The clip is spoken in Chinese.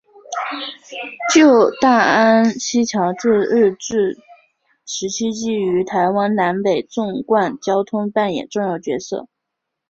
旧大安溪桥自日治时期即于台湾南北纵贯交通扮演重要角色。